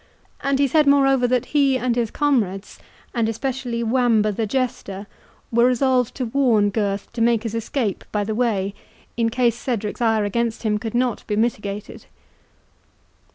And he said, moreover, that he and his comrades, and especially Wamba the Jester, were resolved to warn Gurth to make his escape by the way, in case Cedric's ire against him could not be mitigated."